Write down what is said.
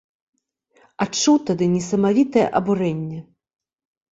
Адчуў тады несамавітае абурэнне!